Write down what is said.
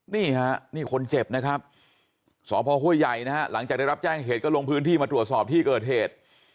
นี่ฮะนี่คนเจ็บนะครับสพห้วยใหญ่นะฮะหลังจากได้รับแจ้งเหตุก็ลงพื้นที่มาตรวจสอบที่เกิดเหตุ